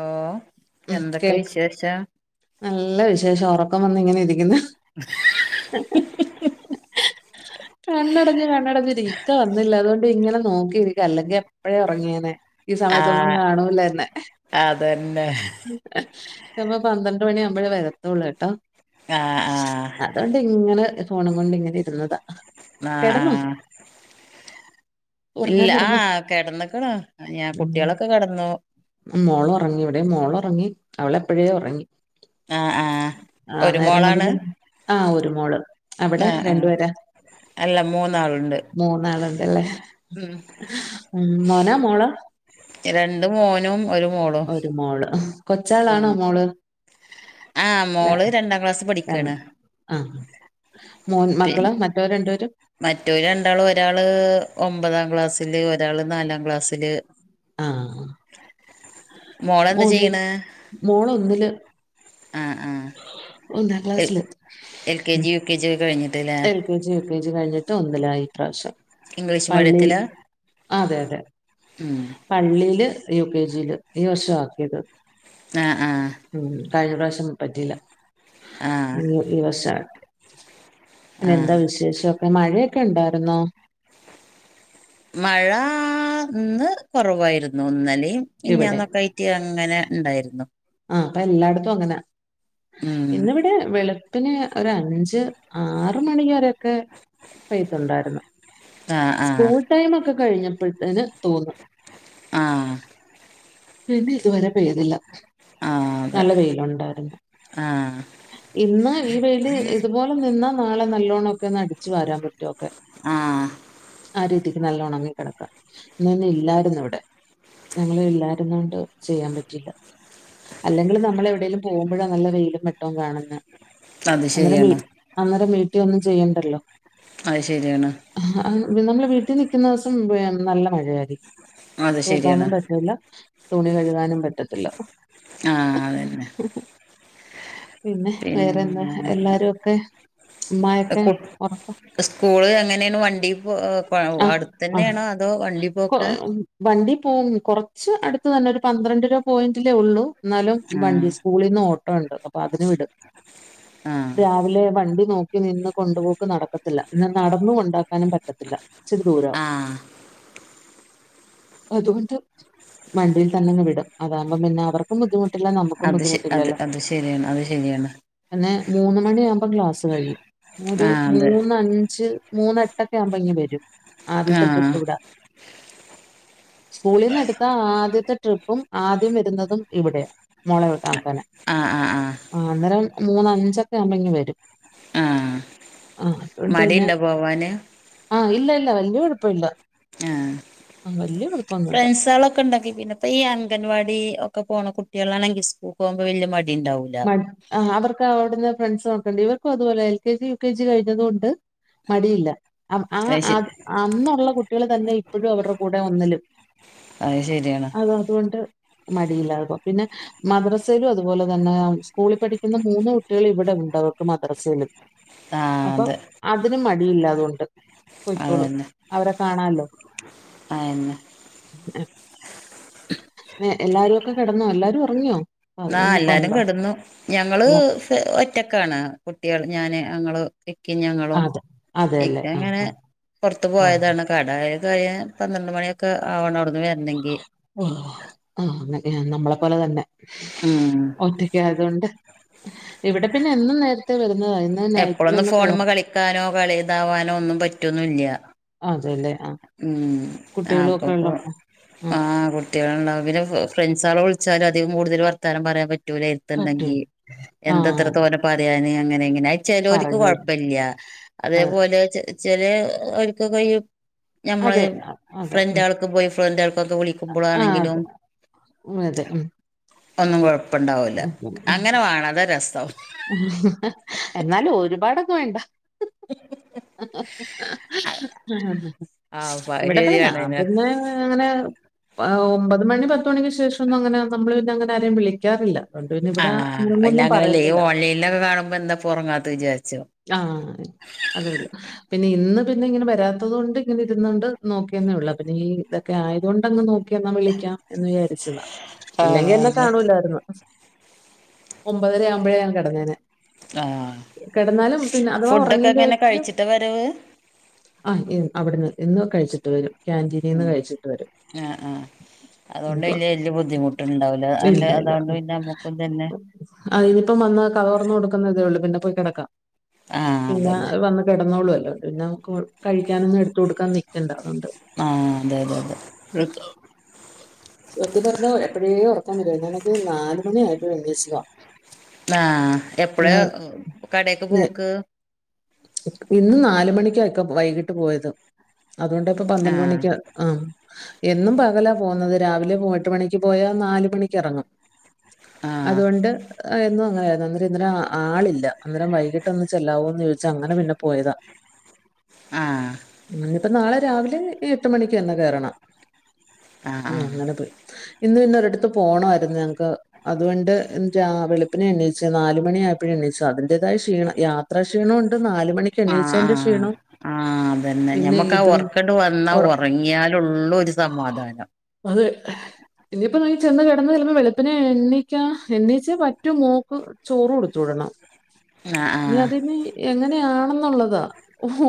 ഓ ഉം എന്തൊക്ക കേൾക്കാം വിശേഷ നല്ല വിശേഷം ഒറക്കം വന്നിങ്ങന ഇരിക്കുന്നു [unintelligible] കണ്ണടഞ്ഞ് കണ്ണടഞ്ഞ് ഇക്ക വന്നില്ല അതോണ്ട് ഇങ്ങനെ നോക്കി അല്ലെങ്കി എപ്പഴേ ഒറങ്ങിയേനെ ഈ സമയത്തൊന്നും ആഹ് കാണൂലന്നെ അതന്നെ ഉം ചെപ്പ പന്ത്രണ്ടണിയാവുമ്പഴേ വര്ത്തുള്ളുട്ടോ ആഹ് ആഹ് ആണ്ട് ഇങ്ങനെ ഫോണും കൊണ്ട് ഇങ്ങനെ ഇരുന്നതാ ആഹ് കിടന്നോ ആഹ് ഇല്ല ഉറങ്ങാൻ ആ കിടന്നോ കെടന്നെക്കണ് ഞാൻ കുട്ടികളക്കെ കെടന്നു മോളൊറങ്ങി ഇവിടെം മോളൊറങ്ങി അവളെപ്പഴേ ഒറങ്ങി ആഹ് ആഹ് ആ ഒരു നേരം മോളാണ് മൊതല് ആഹ് ഒരു മോള് അവ്ടെ ആഹ് ആഹ് രണ്ട്പേരാ അല്ല മൂന്നാളുണ്ട് മൂന്നാളുണ്ടല്ലേ ഉം ഉം മോനാ മോളാ രണ്ട് മോനും ഒരു മോളും ഒരു മോള് കൊച്ചാളാണോ ഉം മോള് മോള് ആഹ് രണ്ടാം ക്ലാസ് അം പഠിക്കാണ് ആ മൂന്ന് പി മക്കള് മറ്റോര് രണ്ട് വേരും മറ്റോര് രണ്ടാളും ഒരാള് ഒമ്പതാ ക്ലാസ്സില് ഒരാള് നാലാം ക്ലാസ്സില് ആഹ് മോ മോളെന്താ ചെയ്യണ് മോളൊന്നില് ആ ആഹ് ഒന്നാ എൽ ക്ലാസ്സില് L K G U K G ഒക്കെ കഴിഞ്ഞിട്ട്ല്ലേ എൽ എൽ കെ ജീം യു കെ ജീം കിഴിഞ്ഞിട്ട് ഒന്നിലായി ഇപ്രാശ്യം. ഇംഗ്ലീഷ് പള്ളിയിൽ മീഡിയത്തിലാ അതെ അതെ ഉം പള്ളിയില് യു കെ ജിയില് ഈ വർഷാക്കിയത് ആ ആ ഉം കഴിഞ്ഞ പ്രാശ്യം പറ്റീല്ല ആഹ് ഈ ഈ വർഷാ പിന്നെ എന്താ ആഹ് വിശേഷൊക്കെ മഴയൊക്കെണ്ടാര്ന്നോ മഴാ ഇന്ന് കൊറവായിരുന്നു ഇന്നലേം ഇവിടെ മെനഞ്ഞാന്നൊക്കായി ക്ക്‌ അങ്ങനെ ഇണ്ടാരുന്നു ആഹ് പ്പ എല്ലാട്ത്തും അങ്ങനാ ഉം ഇന്നിവിടെ വെളുപ്പിന് ഒര് അഞ്ച് ആറ് മണി വരെക്കെ പെയ്യ്ട്ട്ണ്ടാരുന്നു. ആഹ് ആഹ് സ്കൂൾ ടൈം ഒക്കെ കഴിഞ്ഞപ്പഴ്ത്തേന് തോന്ന് ആഹ് പിന്നെ ഇത് വരെ പെയ്തില്ല ആഹ് അതെ നല്ല വെയിലുണ്ടാര്ന്നു. ആഹ് ഇന്ന് ഈ വെയില് ഇതുപോലെ നിന്നാ നാളെ നല്ലോണ്ണം ഒക്കെ ച്ചു വാരാം മുറ്റൊക്കെ ആഹ് ആ രീതിക്ക് നല്ല ഒണങ്ങി കെടക്ക. ഇങ്ങനെ ഇല്ലാര്ന്നു ഇവടെ ഞങ്ങളില്ല ര്ന്നോണ്ട് ചെയ്യാൻ പറ്റില്ല. അല്ലെങ്കില് നമ്മളെവിടേലും പോവ്മ്പഴാ നല്ല വെയിലും വെട്ടവും കാണ്ന്നെ അത് അന്നേരം വീ ശരിയാണ് അന്നേരം വീട്ടി ഒന്നും ചെയ്യണ്ടല്ലോ. അയ് ശെരിയാണ്. നമ്മള് വീട്ടി നിക്കൂന്നോസം നല്ല മഴയാരിക്കും. അത് ശരിയാണ് തൂക്കാനും പറ്റൂല തുണി കഴുകാനും പറ്റത്തില്ല. ആഹ് അതന്നെ പിന്നെ വേറെന്താ പിന്നെ എല്ലാരും ഒക്കെ [unintelligible] യൊക്കെ കു ഒറ സ്കൂള് എങ്ങനേണ് വണ്ടി പോ ആഹ് ആഹ് അടുത്തന്നേണോ അതോ വണ്ടീ കൊ പോക്കാ? വണ്ടി പോവും കൊറച്ച് അടുത്ത് തന്നെ ഒരു പന്ത്രണ്ട് രൂപ പോയിന്റിലേ ഒള്ളൂ. ന്നാലും വണ്ടി ആഹ് സ്കൂളീന്ന് ഓട്ടോ ണ്ട് അപ്പൊ അതിന് വിടും. ആഹ് രാവിലെ വണ്ടി നോക്കി നിന്ന് കൊണ്ടുപോക്ക് നടക്ക ത്തില്ല. ന്നാ നടന്ന് കൊണ്ടാക്കാനും പറ്റത്തില്ല ഇച്ചിരിദൂരവാ. ആഹ് അതുകൊണ്ട് വണ്ടിയിൽ തന്നെങ്ങ് വിടും അതാകുമ്പം പിന്നെ അവർ ക്കും ബുദ്ധിമുട്ടില്ല നമുക്കും അത് ശ അത് ബുദ്ധിമുട്ടില്ലല്ലോ. അത് ശരിയാണ് അത് ശരിയാണ് പിന്നെ മൂന്ന് മണിയാവുമ്പം ക്ലാസ്സ് കഴിയും. ഒരു ആഹ് അതെ മൂന്നഞ്ച് മൂന്ന് എട്ടൊക്കെ ആവ്മ്പം ഇങ്ങ് വരും. ആദ്യത്തെ ആഹ് ട്രിപ്പ് ഇവ്ടാ. സ്കൂളിനെട് ത്ത ആദ്യത്തെ ട്രിപ്പും ആദ്യം വരുന്നതും ഇവിടെയാ. മോളെ വെ ആക്കാനാ. ആഹ് ആഹ് ആഹ് ആഹ് അന്നേരം മൂന്ന് അഞ്ചൊക്കെ ആവ്മ്പം ഇങ്ങ് വരും. ആഹ് ആഹ് അതുകൊണ്ട് പിന്നെ മടിയുണ്ടോ പോവാന് ആഹ് ഇല്ല ഇല്ല വല്യ കുഴപ്പ ഇല്ല. ആഹ് ഫ്രണ്ട്സാളൊ ക്കെണ്ടാങ്കി പിന്നെ പ്പ ഈ അംഗൻവാടി ഒക്കെ പോണ കുട്ടിയേളാണെങ്കി സ്കൂക്ക് പോവുമ്പം വല്യ മടിണ്ടാവൂ മ ആഹ് അവർക്ക് അവ്ടുന്ന് ഫ്രണ്ട്സ് ഒക്കെണ്ട്. ഇവർക്കും അതുപോലെ L K G U K G കഴിഞ്ഞതുകൊണ്ട് മടിയില്ല. അം ആ അത് അ ശ അന്നുള്ള കുട്ടികൾ തന്നെ ഇപ്പഴും അവർടെ കൂടെ ഒന്നിലും അഹ്ശെരിയാണ് അതുകൊണ്ട് മടിയില്ലാതെ പോവും പിന്നെ മദ്രസെലും അതുപോലെ തന്നെ സ്കൂളി പഠിക്കുന്ന മൂന്ന് കുട്ടികള് ഇവ്ടെ ഉണ്ട് അവക്ക് മദ്രസെയിലും. ആഹ് അതെ അതിന് മടിയില്ലാതുകൊണ്ട് പോയ്ക്കോളൂ അതന്നെ അവരെ കാണാല്ലോ അയന്നെ ഏഹ് എല്ലാരും ഒക്കെ കിടന്നോ എല്ലാരും ഉറങ്ങിയോ ആഹ് എല്ലാരും കെടന്നു ഞങ്ങള് എല്ലാ ഒറ്റക്കാണ് കുട്ടികൾ ഞാന് ഞങ്ങള് ഇക്കിം ഞങ്ങളോ അതെ ഇക്ക അതെല്ലേ ഇങ്ങനെ ആഹ് പുറത്ത് ആഹ് പോയതാണ് കടായ കഴിയം പന്ത്രണ്ട് മണിയൊക്കെ ആവണം അവിടുന്ന് വരണെങ്കിൽ ഓഹ് ആഹ് ഏഹ് നമ്മളെ പോലെ തന്നെ ഉം ഒറ്റക്കായതുകൊണ്ട് ഇവിടെ പിന്നെ എന്നും നേരത്തെ വരുന്നതായിരുന്നു എപ്പോളൊന്നും ഫോണുമ്മേ കളിക്കാനോ കളി ഇതാവാനോ ഒന്നും പറ്റൊന്നില്ല അതെല്ലെ ഉം ആപ്പപ്പൊ ആഹ് കൊ കുട്ടിയാളുണ്ടാവും പിന്നെ ഫ്രണ്ട്സേളെ വിളിച്ചാലും അധികം കൂടുതൽ വർത്താനം പറയാൻ പറ്റൂലെ പട്ടി ത്ണ്ടങ്കി എന്താ ഇത്ര ആഹ് തോനെ പറയാന് അങ്ങനെ എങ്ങനെ ചെലോൽക്ക് പറഞ്ഞു കൊഴപ്പല്ല അതെ അതേപോലെ ചെ ചെലേ ഓർക്കൊക്ക ഈ ഞമ്മള് അതെ ആ, അതെ ഫ്രണ്ട് ഉം ആൾക്ക് ബോയ് ഫ്രണ്ട് ആൾക്കൊക്കെ വിളിക്ക ആഹ് അതെ കുമ്പളാണെകിലും ഉം, അതെ ഉം ഒന്നും കൊഴപ്പണ്ടാവില്ല ഉം, ഉം. അങ്ങനെ വേണം അതാ രസം എന്നാലും ഒരുപാടൊക്കെ വേണ്ട [inaudible] [inaudible] ആഹ് അത് ഇവിടെപ്പെ ശരിയാണ് ഞാൻ ന്നെ പിന്ന അങ്ങനെ ആഹ് ഒമ്പത് മണി പത്തുമണിക്ക് ശേഷന്നും അങ്ങനെ നമ്മള് പിന്നെ അങ്ങനെ ആരെയും വിളിക്കാറില്ല അതൊണ്ട് പിന്നെ ഇവിടെ [unintelligible] ഒന്നും പറയത്തില്ല ഇന്നൊക്കെ കാണുമ്പോ എന്താപ്പൊ ഒറങ്ങാത്തെ വിചാരിച്ചും ആഹ് അത് വിട പിന്നെ ഇന്ന് പിന്നെ ഇങ്ങനെ വരാത്തത്കൊണ്ട് ഇങ്ങനെ ഇരുന്ന് കൊണ്ട് നോക്കിയെന്നേ ഉള്ളൂ പിന്നെ ഈ ക്കെ ആയതുകൊണ്ട്ങ്ങ് നോക്കി എന്നാൽ വിളിക്കാം എന്ന് വിചാരിച്ചതാ ആഹ് ഇല്ലെങ്കി എന്നെ അതെ കാണൂല്ലായിരുന്നു ഒമ്പതര ആവുമ്പോഴേ ഞാൻ കിടന്നേനെ ആഹ് കെടന്നാലും പിന്നെ അഥവാ ഫുഡൊക്കെ എങ്ങനെ ഉറങ്ങികഴിഞ്ഞാലും കഴിച്ചിട്ടാ വരവ് ആ അവിടുന്ന് ഇന്ന് കഴിച്ചിട്ട് വരും കാന്റീനിൽ നിന്ന് ഉം കഴിച്ചിട്ട് വരും ആഹ് ആഹ് അതുകൊണ്ട് ഇപ്പൊ അയില് വല്ല്യ ബുദ്ധിമുട്ടുണ്ടാവൂല അതൊണ്ട് പിന്നെ നമ്മുക്കും തന്നെ അഹ് ഇതിപ്പം വന്ന് കതക് ത്തുറന്ന് കൊടുക്കുന്ന തേ ഉള്ളൂ പിന്നെ പോയി കിടക്കാം ആഹ് പിന്നെ അതന്നെ വന്ന് കിടന്നോളുല്ലാറും പിന്നെമുക് കഴിക്കാനൊന്നും എടുതുടുക്കാൻ നിക്കണ്ട അതോണ്ട് ആഹ് അതെ അതെ അതെ ഒത്തിപ [unintelligible] എപ്പയേ ഉറക്കം വരും നമ്മക് നാല്മണി ആയിട്ടും അന്വേഷിക്ക ആഹ് എപ്പളെ കടെക്ക് ഞ- പോക്ക് ഇന്ന് നാല്മണിക്ക ഇക്ക വൈകിട്ട് പോയത് അതുകൊണ്ടാപ്പ പന്ത്രണ്ട് ആഹ് മണിക്ക ആഹ് എന്നും പകലാ പോകുന്നത് രാവിലെ പോ എട്ട് മണിക്ക് പോയാ നാല് മണിക്ക് എറങ്ങും ആഹ് അതുകൊണ്ട് എന്നും അങ്ങനെയായിരുന്നു എന്നിട്ട് ഇന്നലെ ആളില്ല അന്നേരം വൈകിട്ടൊന്ന് ചെല്ലാവോന്ന് ചോദിച്ച് ച്ചങ്ങനെ പിന്നെ പോയതാ ആഹ് ഇനിയിപ്പോ നാളെ രാവിലെ എട്ട് മണിക്ക് തന്നെ കേറണം ആഹ് ഉം ആഹ് അങ്ങനെ പോയി ഇന്ന് പിന്ന ഒരിടുത്ത് പോണായിരുന്നു ഞങ്ങക്ക് അതുകൊണ്ട് രാ വെളുപ്പിനേ എണീ ച്ചു നാല് മണി ആയപ്പൊഴെ എണീച്ചു അതിന്റേതായ ക്ഷീണ യാ ത്രാ ക്ഷീണം ഉണ്ട് നാല് ആഹ് മണിക്കെണീച്ചതിന്റെ ആഹ് ക്ഷീണം ആഹ് അതന്നെ പിന്നെ ഞമ്മക്കാ ഇതും ഒർക്കണ്ട് വന്നാ ഒറ ഒറങ്ങിയാലൊള്ളൊരു സമാധാനം അതെ ഇനിയിപ്പൊ ന ചെന്ന് കെടന്ന് ചെലപ്പോ വെളുപ്പിനെ എണീക്കാ എണീച്ചെ പറ്റു മോക്ക് ചോറ് കൊടുത്തു വിടണം ആഹ് ആഹ് നിഅതിനി എങ്ങനെയാണെന്നുള്ളതാ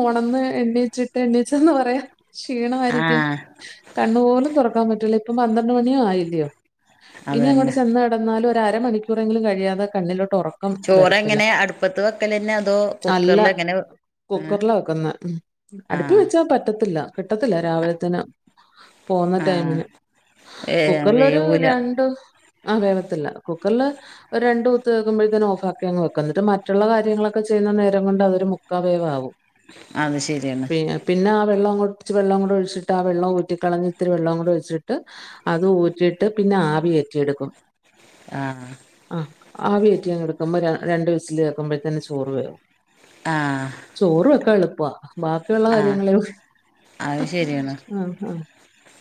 ഓണന്ന് എണ്ണീച്ചിട്ട് എണ്ണീച്ചന്ന് പറയാ ക്ഷീണമായിരിക്കും ആഹ് കണ്ണു പോലും തൊറക്കാൻ പറ്റൂല ഇപ്പം പന്ത്രണ്ട് മണി ആയില്ലിയൊ ഇനി അങ്ങോട്ട് അതന്നെ ചെന്നെടന്നാലും ഒരരമണിക്കൂറെങ്കിലും കഴിയാത കണ്ണിലോട്ട് ഒറ ചോറെങ്ങനെ അടുപ്പത്ത് വെക്കലെന്ന അല്ല കുക്കറിലാ വെക്കുന്നേ അടുപ്പീ ആഹ് വെച്ചാ പറ്റത്തില്ല കിട്ടത്തില്ല രാവിലെത്തിന് പോവുന്ന ആഹ് ടൈമിന് ഏഹ് കുക്കറിലൊരു വേവൂല രണ്ടു ആ വേവത്തില്ല കുക്കർല് ഒരു രണ്ട് ഊത്ത് കേക്കുമ്പഴത്തേന് ഓഫ് ആക്കി അങ് വെക്ക എന്നിട്ട് മറ്റുള്ള കാര്യങ്ങള് ക്കെ ചെയ്യുന്ന നേരം കൊണ്ട് അതൊരു മുക്കാവേവാവും അത് ശരിയാണ് പിന്നെ പിന്നെ ആ വെള്ളങ്ങടിച്ച് വെള്ളം കൂടി ഒഴിച്ചിട്ടാ വെള്ളം ഊറ്റി കളഞ്ഞിത്തിരി വെള്ളം കൂടി ഒഴിച്ചിട്ട് അതും ഊറ്റീട്ട് പിന്നാവിയേറ്റിയെടുക്കും ആഹ് ആഹ് ആവിയേറ്റിയങ്ടുക്കുമ്പഴാ രണ്ട് വിസില് കേൾക്കുമ്പഴ്ത്തേന് ചോറ് വേവും ആഹ് ചോറ് വെക്കാൻ എളുപ്പാ ബാക്കിയുള്ള ആഹ് കാര്യങ്ങള് അത് ശരിയാണ് ആഹ് ആഹ്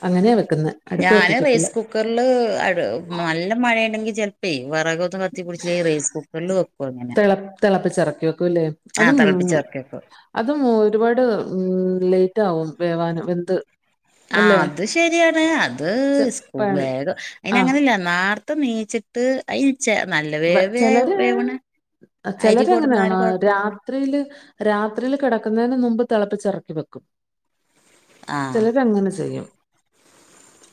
അങ്ങനെയാ വെക്കുന്നെ ഞാന് റെയ്സ് കുക്കറില് നല്ല മഴേണെങ്കി ചെൽപ്പേ വെറക് കത്തിപ്പുടിച്ച് റൈസ് കുക്കറില് വെക്കു അങ്ങനെ തെളപ്പിച്ചെറക്കി വെക്കൂല്ലേ ആഹ് അതുഉ തെളപ്പിച്ചെറക്കി വെക്കും അതും ഒരുപാട് ഉം ലേറ്റ് ആവും വേവാന് വെന്ത് ആഹ് അല്ലേ അത് ശരിയാണ് അത് ചെ- സ്‌കൂ പ- വേഗം ആ അയിനങ്ങനല്ല നാർത്തെ നീച്ചി ട്ട് അരിച്ചെ നല്ല വ- വേവ് ചിലര് വേവണ അരി കൊണ്ട്ന്നാല് കൊഴ്പ്പല്ല്യ ത്രിയില് രാത്രിയില് കെടക്കുന്നതിന് മുമ്പ് തിളപ്പിച്ചെറക്കി വെക്കും ആ ചെലരങ്ങനെ ചെയ്യും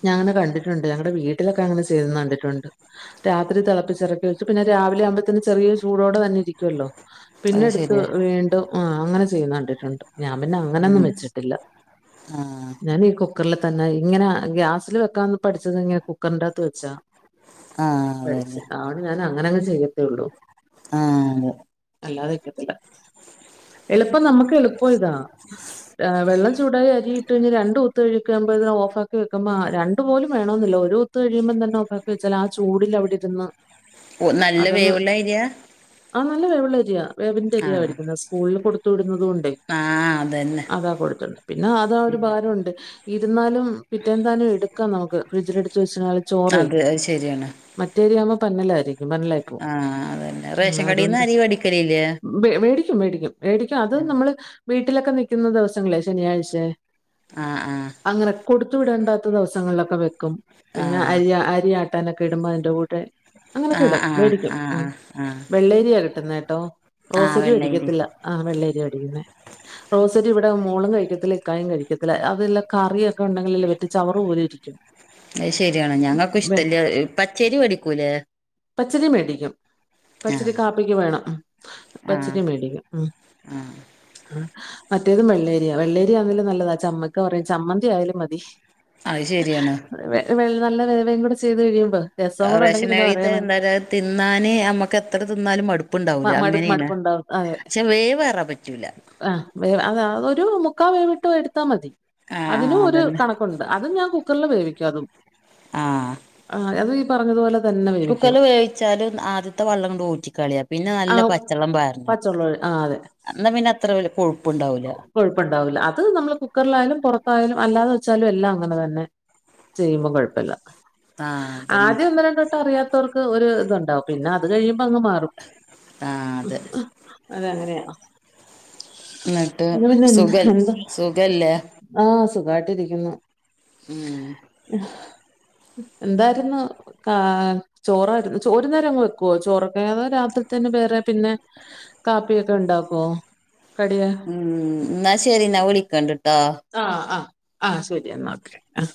ഞാങ്ങനെ കണ്ടിട്ടുണ്ട് ഞങ്ങടെ വീട്ടിലൊക്കെ അങ്ങനെ ചെയ്യുന്ന കണ്ടിട്ടുണ്ട് രാത്രി തെളപ്പിച്ചെറക്കി വെ പിന്നെ രാവിലെ ആവുമ്പോത്തിന് ചെറിയൊരു ചൂടോടെ തന്നെ ഇരിക്കുവല്ലോ അത് പിന്നെ എടുത്ത് ശരിയാ. വീണ്ടും ആഹ് അങ്ങനെ ചെയ്യുന്ന കണ്ടിട്ടുണ്ട് ഞാൻ പിന്നെ അങ്ങനൊന്നും ഉം വെച്ചിട്ടില്ല ആ ഞാനീ കു ക്കറില് തന്നാ ഇങ്ങനെ ഗ്യാസില് വെക്കാൻ പഠിച്ചത് ഇങ്ങെ കുക്കറിന്റകത്ത് വെച്ചാ ആ പഠിച്ച് അതന്നെ. ആണ് ഞാനങ്ങനെ അങ്ങ് ചെയ്യത്തേ ഒള്ളു ആഹ് അതെ അല്ലാതെക്കത്തില്ല എളുപ്പം നമ്മുക്ക് എളുപ്പ ഇതാ വെള്ളം ചൂടായി അരിയിട്ട് കഴിഞ്ഞാ രണ്ട് കുത്ത് ഒഴിക്കുമ്പോ ഇതിനെ ഓഫാക്കി വെക്കുമ്പ രണ്ട് പോലും വേ കിട്ടണമെന്നില്ല, ഒരു കുത്ത് കഴിയുമ്പോ തന്നെ ഓഫാക്കിവെച്ചാൽ ആഹ് ചൂടില് അവിടെ ഇരുന്നു. ഓ നല്ല അതങ്ങ് വേവുള്ള അരിയാ? ആഹ് നല്ല വേവുള്ള അരിയാ, വേവിന്റെ ആ അരിയാ മേടിക്കുന്നേ സ്കൂളില് കൊടു ത്തുട്ന്നത് കൊണ്ടേ. ആ അതന്നെ. അതാ കൊടുത്തുണ്ട് പിന്നെ അതാ ഒരു ഭാരുണ്ട് ഇരുന്നാലും പിറ്റേന്നത്തായാലും എടുക്കാം നമുക്ക് ഫ്രിഡ്ജിലെട്ത്ത് വെച്ചാല് അതെ അയ്ശരിയാണ് മറ്റേ അരിയാവുമ്പോ പന്നലായിരിക്കും, പന്നലായിരിക്കും. ആഹ് അതന്നെ. റേഷൻ കടേന്ന് അരി വേടിക്കലില്ലേ വേ വേടിക്കും വേടിക്കും വേടിക്കും അത് ആ നമ്മള് വീട്ടിലൊക്കെ നിക്കുന്ന ദിവസങ്ങളേ ശനിയാഴ്ചെ ആ ആ അങ്ങനെ കൊടുത്തു വിടേണ്ടാത്ത ദിവസങ്ങളിലൊക്കെ വെക്കും, ആ പിന്നെ അരി അരിയാട്ടു. ട്ടാനൊക്കെ ഇടുമ്പോ അയിന്റെ കൂടെ ആ അങ്ങനൊക്കെടും ആ വേടിക്കും ആ ഉം ആ ആ വെള്ളേരി ട്ടുന്നേട്ടോ. ആ റോസരി വെള്ളയരി. മേടിക്കത്തില്ല ആഹ് വെള്ളരിയാ മേടിക്കുന്ന, റോസരി ഇവിടെ മോളും കഴിക്കത്തില്ല ഇക്കായും കഴിക്കത്തില്ല, അതല്ല കറിയൊക്കെ. ഇത് ഉണ്ടെങ്കില് പറ്റു, ചവറ് പോലെ ഇരിക്കും അത് ശരിയാണ് ഞങ്ങൾക്കും വെല്യ. ഇഷ്ടല്ല പച്ചരി വേടിക്കൂലേ പച്ചരി മേടിക്കും പച്ച ആഹ് കാ വേണം പച്ചന ആഹ് മേടിക്ക മറ്റേതും വെള്ളേരിയാ വെള്ളേരിയാ ആണാലും നല്ലതാ ചമ്മക്ക പറയും ചമ്മന്തി ആയാലും മതി. അത് ശരിയാണ്. വ നല്ല വവയും കൂടി ചെയ്ത് കഴിയുമ്പോ രസം കൂടെ ഉണ്ടെങ്ക റേഷൻ പിന്നെ അരിത്തെ പറയാനേ തിന്നാന് നമ്മുക്ക് എത്ര തിന്നാലും മടുപ്പുണ്ടാവൂല്ല മടു അങ്ങനെയാണ്. മടുപ്പുണ്ടാവും പക്ഷെ വേ വേറാൻ പറ്റൂല. ആ വേ അത അതൊരു മുക്കാ വേവിട്ടോ എടുത്താൽ മതി ആഹ് ആഹ് അതിനും ഒരു അതന്നെ കണക്കുണ്ട്. അതും ഞാൻ കുക്കറിൽ വേവിക്കും അതും അത് ഈ പറഞ്ഞപലെ കുക്കറ്ല് വേവിച്ചാലും ആദ്യത്തെ വള്ളം ങ്ങണ്ട് ഊറ്റിക്കളിയ പിന്നെ നല്ല ആഹ് പച്ചളം പാരണം പച്ചവെള്ളം ആഹ് അതെ ന്നാ പിന്നെ അത്ര വല്ല കൊഴുപ്പുണ്ടാവൂല കുഴപ്പം ഉണ്ടാവില്ല. അത് നമ്മള് കുക്കറിലായാലും, പുറത്തായാലും, അല്ലാതെ വെച്ചാലും, എല്ലാം അങ്ങനെതന്നെ. ചെയ്യുമ്പോ കൊഴപ്പില്ല. ആഹ് അതന്നെ ആദ്യം ഒന്നും രണ്ടട്ടം അറിയാത്ത തൊർക്ക് ഒരു ഇതുണ്ടാവും. പിന്നെ അത് കഴിയുമ്പോ അങ് മാറും ആഹ് അതെ ആഹ അത് അങ്ങനെയ ന്നിട്ട് സുഖ സുഖല്ലേ,? ആഹ സുഖായിട്ടിരിക്കുന്നു. ഉും ഹും എന്തായിരുന്നു ആ ചോറ്ആയിരുന്നു. ചോ ഒര്നേരം അങ്ങ് വെക്കുവോ ചോറൊക്കെ അത് രാത്രി തന്നെ വേറെ പിന്നെ കാപ്പിയൊക്കെ ഉണ്ടാക്കോ? ഉം ന്നാ ശരി ന്നാ വിളിക്കണ്ടിട്ടോ? ആഹ ആ ആ ശൂരിയനോക്കേ. ഉം